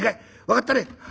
分かったね？」。